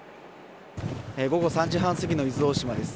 午後３時半過ぎの伊豆大島です。